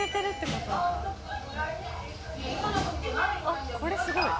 あっこれすごい。